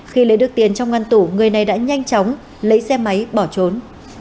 khi lấy được tiền trong ngăn tủ người này đã nhanh chóng lấy xe máy bỏ trốn